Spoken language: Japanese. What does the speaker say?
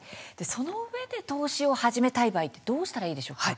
そのうえで投資を始めたい場合ってどうしたらいいでしょうか？